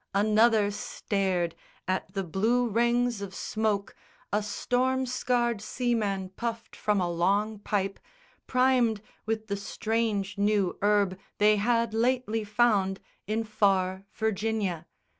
Another stared at the blue rings of smoke A storm scarred seaman puffed from a long pipe Primed with the strange new herb they had lately found In far Virginia.